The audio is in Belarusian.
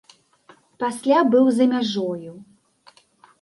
Пасля быў за мяжою.